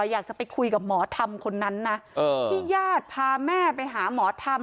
อยากจะไปคุยกับหมอธรรมคนนั้นนะที่ญาติพาแม่ไปหาหมอธรรม